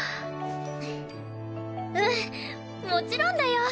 うんもちろんだよ！